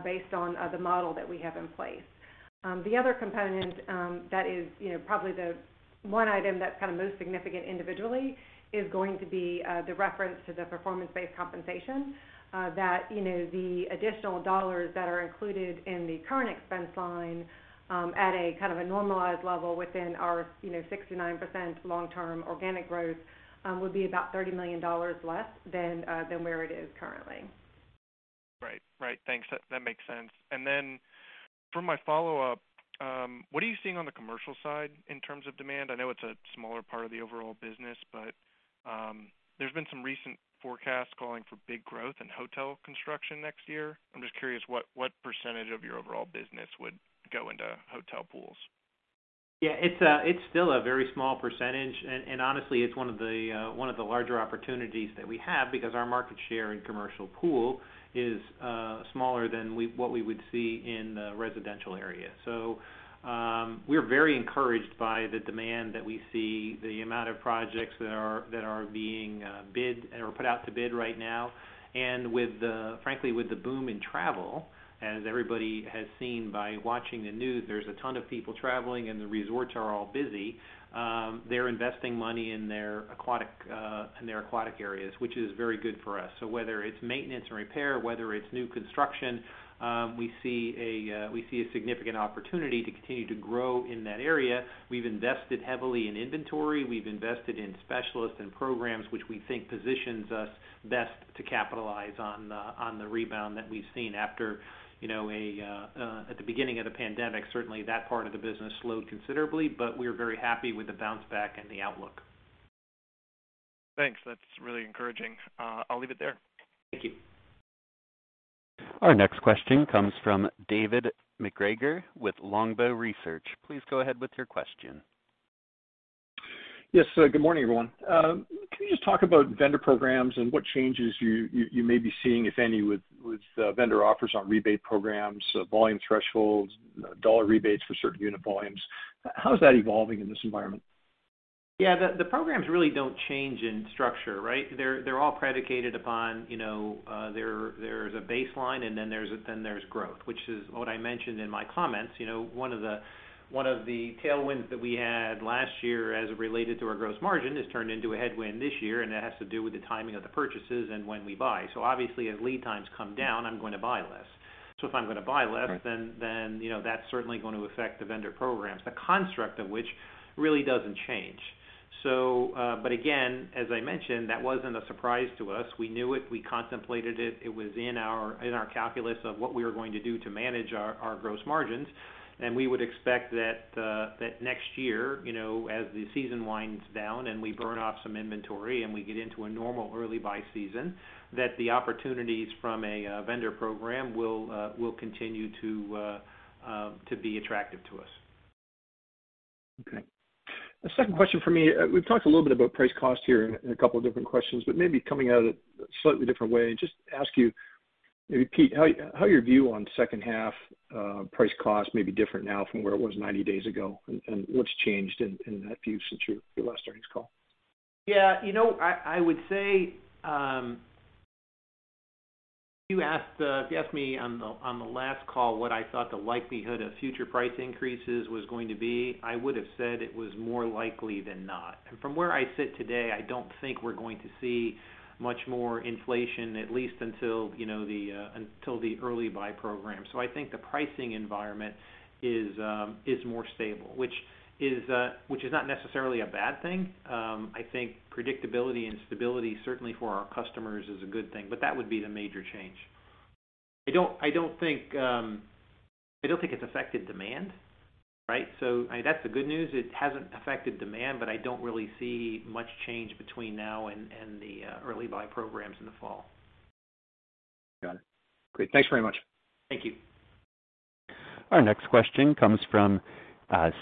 based on the model that we have in place. The other component, that is, you know, probably the one item that's kind of most significant individually is going to be, the reference to the performance-based compensation, that, you know, the additional dollars that are included in the current expense line, at a kind of a normalized level within our, you know, 69% long-term organic growth, would be about $30 million less than where it is currently. Right. Thanks. That makes sense. For my follow-up, what are you seeing on the commercial side in terms of demand? I know it's a smaller part of the overall business, but there's been some recent forecasts calling for big growth in hotel construction next year. I'm just curious what percentage of your overall business would go into hotel pools? Yeah, it's still a very small percentage. Honestly, it's one of the larger opportunities that we have because our market share in commercial pool is smaller than what we would see in the residential area. We're very encouraged by the demand that we see, the amount of projects that are being bid or put out to bid right now. Frankly, with the boom in travel, as everybody has seen by watching the news, there's a ton of people traveling and the resorts are all busy. They're investing money in their aquatic areas, which is very good for us. Whether it's maintenance and repair, whether it's new construction, we see a significant opportunity to continue to grow in that area. We've invested heavily in inventory. We've invested in specialists and programs, which we think positions us best to capitalize on the rebound that we've seen after, you know, at the beginning of the pandemic. Certainly, that part of the business slowed considerably, but we're very happy with the bounce back and the outlook. Thanks. That's really encouraging. I'll leave it there. Thank you. Our next question comes from David MacGregor with Longbow Research. Please go ahead with your question. Yes. Good morning, everyone. Can you just talk about vendor programs and what changes you may be seeing, if any, with vendor offers on rebate programs, volume thresholds, dollar rebates for certain unit volumes? How is that evolving in this environment? Yeah, the programs really don't change in structure, right? They're all predicated upon, you know, there's a baseline and then there's growth, which is what I mentioned in my comments. You know, one of the tailwinds that we had last year as it related to our gross margin has turned into a headwind this year, and that has to do with the timing of the purchases and when we buy. Obviously, as lead times come down, I'm going to buy less. If I'm going to buy less. Right. Then, you know, that's certainly going to affect the vendor programs, the construct of which really doesn't change. Again, as I mentioned, that wasn't a surprise to us. We knew it. We contemplated it. It was in our calculus of what we were going to do to manage our gross margins. We would expect that next year, you know, as the season winds down and we burn off some inventory and we get into a normal early buy season, that the opportunities from a vendor program will continue to be attractive to us. Okay. The second question for me, we've talked a little bit about price cost here in a couple of different questions, but maybe coming at it a slightly different way, just ask you, maybe Pete, how your view on second half price cost may be different now from where it was 90 days ago, and what's changed in that view since your last earnings call? Yeah. You know, I would say if you asked me on the last call what I thought the likelihood of future price increases was going to be, I would have said it was more likely than not. From where I sit today, I don't think we're going to see much more inflation, at least until the early buy program. I think the pricing environment is more stable, which is not necessarily a bad thing. I think predictability and stability, certainly for our customers, is a good thing, but that would be the major change. I don't think it's affected demand, right? I mean, that's the good news. It hasn't affected demand, but I don't really see much change between now and the early buy programs in the fall. Got it. Great. Thanks very much. Thank you. Our next question comes from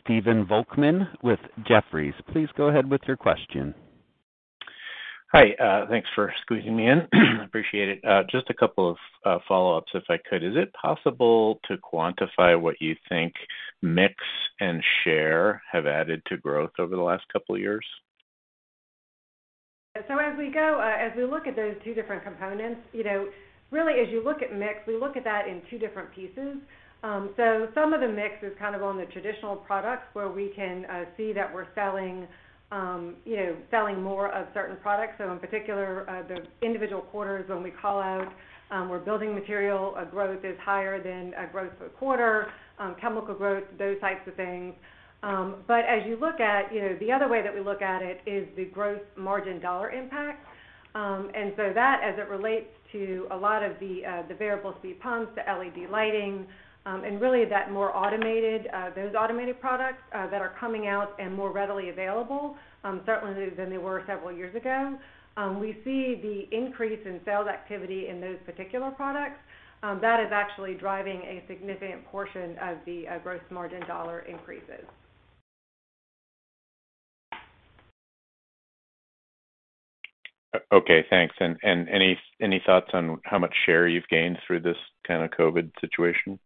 Stephen Volkmann with Jefferies. Please go ahead with your question. Hi. Thanks for squeezing me in. I appreciate it. Just a couple of follow-ups, if I could. Is it possible to quantify what you think mix and share have added to growth over the last couple of years? As we go, as we look at those two different components, you know, really as you look at mix, we look at that in two different pieces. Some of the mix is kind of on the traditional products where we can see that we're selling, you know, selling more of certain products. In particular, the individual quarters when we call out, where building material growth is higher than growth for the quarter, chemical growth, those types of things. As you look at, you know, the other way that we look at it is the growth margin dollar impact. That, as it relates to a lot of the variable speed pumps, the LED lighting, and really those automated products that are coming out and more readily available, certainly than they were several years ago, we see the increase in sales activity in those particular products that is actually driving a significant portion of the gross margin dollar increases. Okay, thanks. Any thoughts on how much share you've gained through this kind of COVID situation?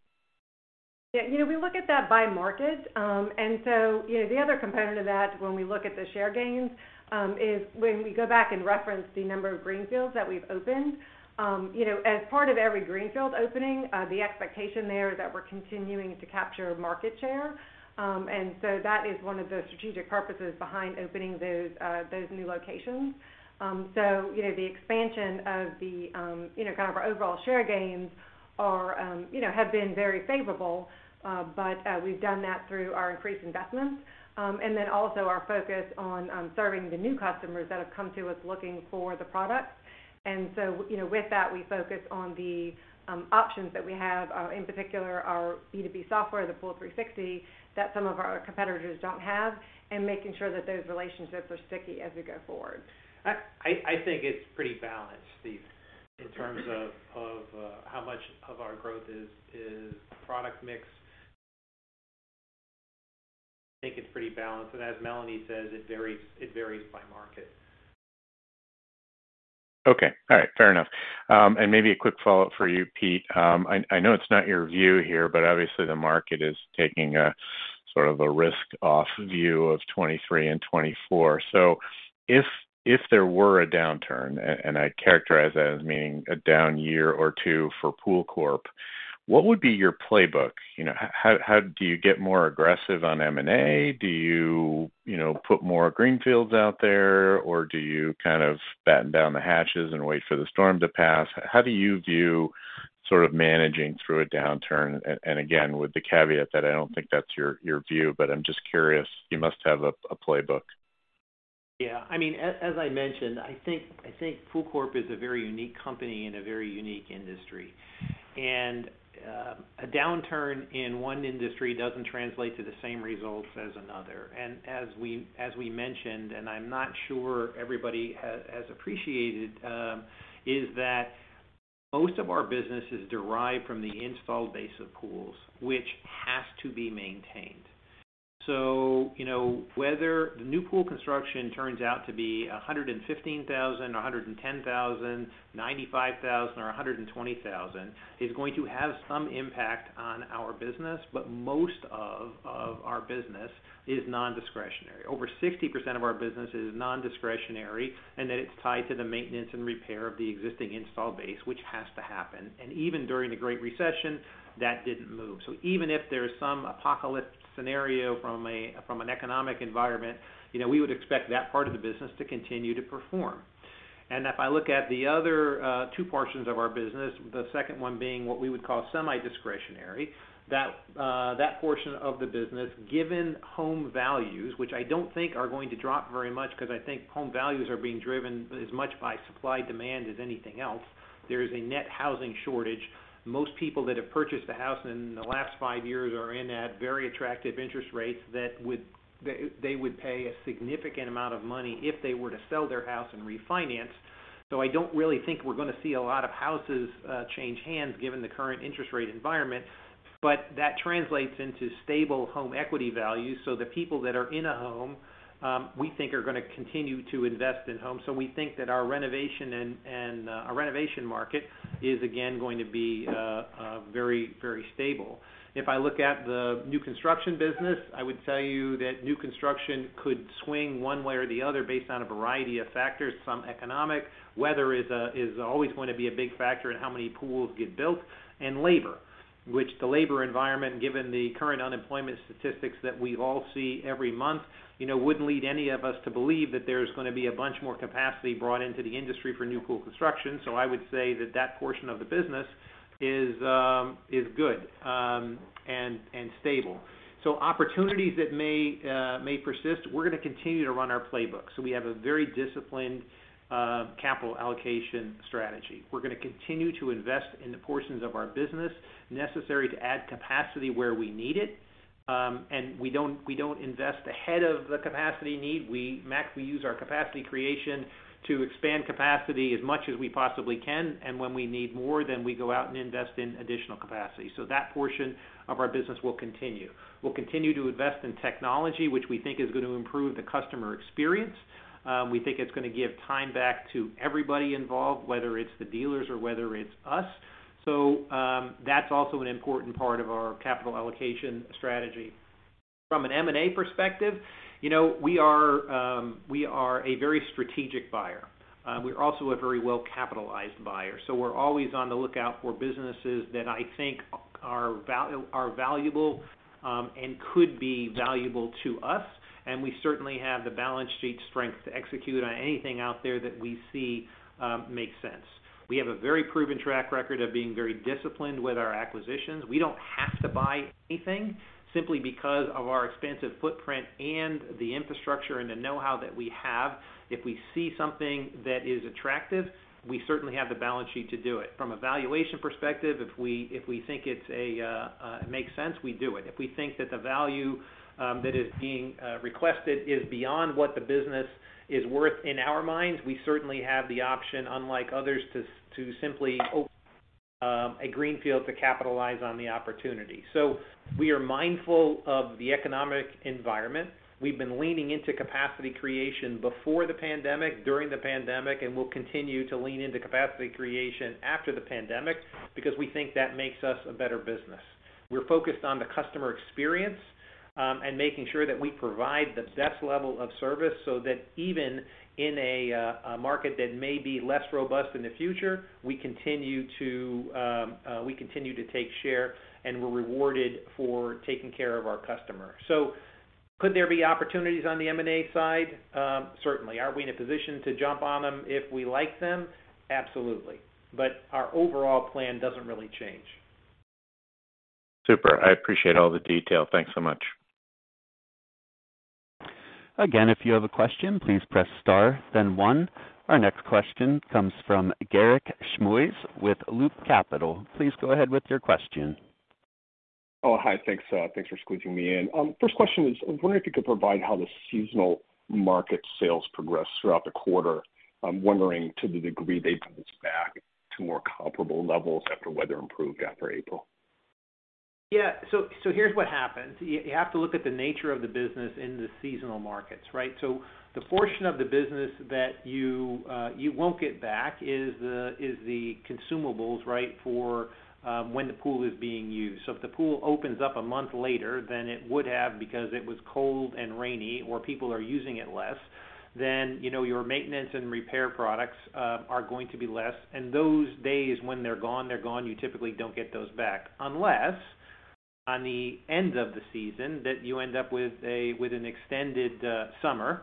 Yeah. You know, we look at that by market. You know, the other component of that when we look at the share gains is when we go back and reference the number of greenfields that we've opened. You know, as part of every greenfield opening, the expectation there that we're continuing to capture market share. That is one of the strategic purposes behind opening those new locations. You know, the expansion of the, you know, kind of our overall share gains are, you know, have been very favorable, but we've done that through our increased investments, and then also our focus on serving the new customers that have come to us looking for the products. You know, with that, we focus on the options that we have, in particular our B2B software, the POOL360, that some of our competitors don't have, and making sure that those relationships are sticky as we go forward. I think it's pretty balanced, Steven, in terms of how much of our growth is product mix. I think it's pretty balanced. As Melanie says, it varies by market. Okay. All right. Fair enough. Maybe a quick follow-up for you, Pete. I know it's not your view here, but obviously the market is taking a sort of a risk off view of 2023 and 2024. If there were a downturn, and I'd characterize that as meaning a down year or two for POOLCORP, what would be your playbook? You know, how do you get more aggressive on M&A? Do you know, put more greenfields out there, or do you kind of batten down the hatches and wait for the storm to pass? How do you view sort of managing through a downturn? Again, with the caveat that I don't think that's your view, but I'm just curious. You must have a playbook. I mean, as I mentioned, I think POOLCORP is a very unique company in a very unique industry. A downturn in one industry doesn't translate to the same results as another. As we mentioned, and I'm not sure everybody has appreciated that most of our business is derived from the installed base of pools, which has to be maintained. You know, whether the new pool construction turns out to be 115,000 or 110,000, 95,000 or 120,000 is going to have some impact on our business. Most of our business is nondiscretionary. Over 60% of our business is nondiscretionary, and that it's tied to the maintenance and repair of the existing installed base, which has to happen. Even during the Great Recession, that didn't move. Even if there's some apocalypse scenario from an economic environment, you know, we would expect that part of the business to continue to perform. If I look at the other two portions of our business, the second one being what we would call semi-discretionary, that portion of the business, given home values, which I don't think are going to drop very much 'cause I think home values are being driven as much by supply and demand as anything else. There is a net housing shortage. Most people that have purchased a house in the last five years are in at very attractive interest rates that they would pay a significant amount of money if they were to sell their house and refinance. I don't really think we're gonna see a lot of houses change hands given the current interest rate environment. That translates into stable home equity value, so the people that are in a home, we think are gonna continue to invest in homes. We think that our renovation and our renovation market is again going to be very stable. If I look at the new construction business, I would tell you that new construction could swing one way or the other based on a variety of factors, some economic. Weather is always going to be a big factor in how many pools get built. Labor, which the labor environment, given the current unemployment statistics that we all see every month, you know, wouldn't lead any of us to believe that there's gonna be a bunch more capacity brought into the industry for new pool construction. I would say that portion of the business is good and stable. Opportunities that may persist, we're gonna continue to run our playbook. We have a very disciplined capital allocation strategy. We're gonna continue to invest in the portions of our business necessary to add capacity where we need it, and we don't invest ahead of the capacity need. We use our capacity creation to expand capacity as much as we possibly can, and when we need more, then we go out and invest in additional capacity. That portion of our business will continue. We'll continue to invest in technology, which we think is gonna improve the customer experience. We think it's gonna give time back to everybody involved, whether it's the dealers or whether it's us. That's also an important part of our capital allocation strategy. From an M&A perspective, you know, we are a very strategic buyer. We're also a very well-capitalized buyer, so we're always on the lookout for businesses that I think are valuable, and could be valuable to us. We certainly have the balance sheet strength to execute on anything out there that we see makes sense. We have a very proven track record of being very disciplined with our acquisitions. We don't have to buy anything simply because of our expansive footprint and the infrastructure and the know-how that we have. If we see something that is attractive, we certainly have the balance sheet to do it. From a valuation perspective, if we think it makes sense, we do it. If we think that the value that is being requested is beyond what the business is worth in our minds, we certainly have the option, unlike others, to simply open a greenfield to capitalize on the opportunity. We are mindful of the economic environment. We've been leaning into capacity creation before the pandemic, during the pandemic, and we'll continue to lean into capacity creation after the pandemic because we think that makes us a better business. We're focused on the customer experience, and making sure that we provide the best level of service so that even in a market that may be less robust in the future, we continue to take share and we're rewarded for taking care of our customers. Could there be opportunities on the M&A side? Certainly. Are we in a position to jump on them if we like them? Absolutely. Our overall plan doesn't really change. Super. I appreciate all the detail. Thanks so much. Again, if you have a question, please press star then one. Our next question comes from Garik Shmois with Loop Capital. Please go ahead with your question. Oh, hi. Thanks for squeezing me in. First question is, I'm wondering if you could provide how the seasonal market sales progressed throughout the quarter. I'm wondering to the degree they bounced back to more comparable levels after weather improved after April. Yeah. Here's what happens. You have to look at the nature of the business in the seasonal markets, right? The portion of the business that you won't get back is the consumables, right, for when the pool is being used. If the pool opens up a month later than it would have because it was cold and rainy or people are using it less, then, you know, your maintenance and repair products are going to be less. Those days when they're gone, they're gone. You typically don't get those back. Unless, on the end of the season, that you end up with an extended summer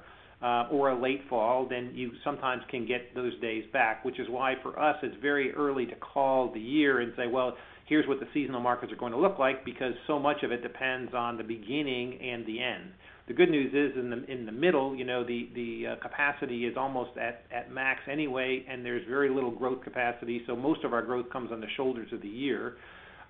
or a late fall, then you sometimes can get those days back, which is why for us it's very early to call the year and say, "Well, here's what the seasonal markets are gonna look like," because so much of it depends on the beginning and the end. The good news is in the middle, you know, the capacity is almost at max anyway, and there's very little growth capacity, so most of our growth comes on the shoulders of the year.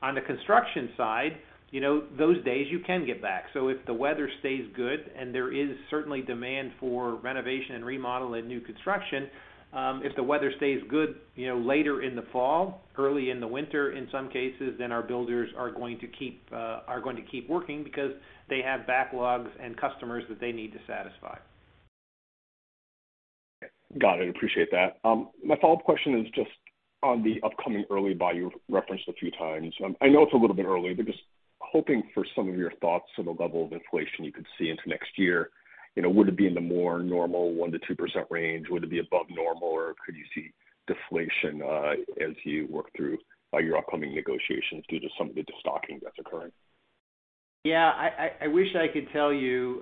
On the construction side, you know, those days you can get back. If the weather stays good and there is certainly demand for renovation and remodel and new construction, if the weather stays good, you know, later in the fall, early in the winter in some cases, then our builders are going to keep working because they have backlogs and customers that they need to satisfy. Got it. Appreciate that. My follow-up question is just on the upcoming early buy you referenced a few times. I know it's a little bit early, but just hoping for some of your thoughts on the level of inflation you could see into next year. You know, would it be in the more normal 1%-2% range? Would it be above normal, or could you see deflation, as you work through your upcoming negotiations due to some of the stocking that's occurring? Yeah. I wish I could tell you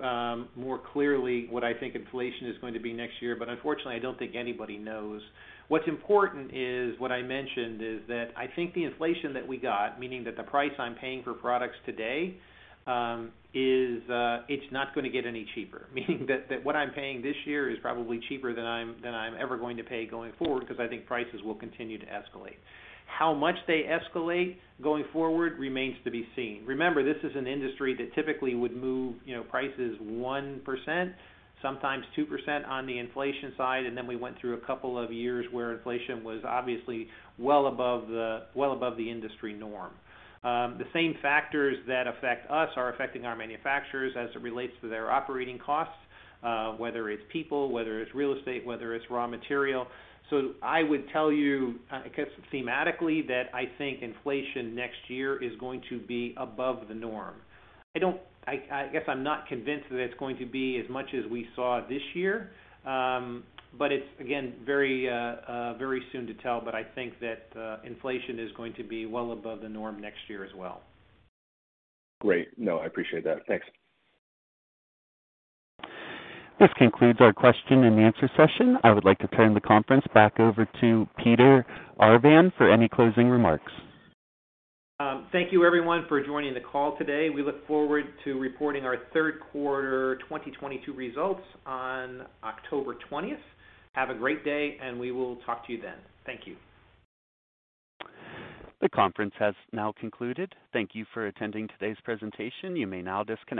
more clearly what I think inflation is going to be next year, but unfortunately, I don't think anybody knows. What's important is, what I mentioned is that I think the inflation that we got, meaning that the price I'm paying for products today, is, it's not gonna get any cheaper. Meaning that what I'm paying this year is probably cheaper than I'm ever going to pay going forward, because I think prices will continue to escalate. How much they escalate going forward remains to be seen. Remember, this is an industry that typically would move, you know, prices 1%, sometimes 2% on the inflation side. We went through a couple of years where inflation was obviously well above the industry norm. The same factors that affect us are affecting our manufacturers as it relates to their operating costs, whether it's people, whether it's real estate, whether it's raw material. I would tell you, I guess thematically, that I think inflation next year is going to be above the norm. I guess I'm not convinced that it's going to be as much as we saw this year. It's again, very soon to tell. I think that inflation is going to be well above the norm next year as well. Great. No, I appreciate that. Thanks. This concludes our question-and-answer session. I would like to turn the conference back over to Peter Arvan for any closing remarks. Thank you everyone for joining the call today. We look forward to reporting our third quarter 2022 results on October 20th. Have a great day, and we will talk to you then. Thank you. The conference has now concluded. Thank you for attending today's presentation. You may now disconnect.